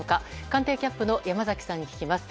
官邸キャップの山崎さんに聞きます。